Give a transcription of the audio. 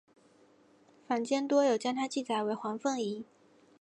坊间多有将她记载为黄凤仪。